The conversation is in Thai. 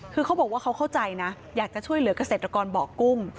คือเขาบอกว่าเขาเข้าใจนะอยากจะช่วยเหลือกเกษตรกรบอกกุ้ง